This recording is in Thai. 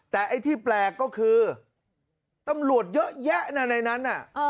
แต่ไอ้ที่แปลกก็คือตำรวจเยอะแยะนะในนั้นน่ะ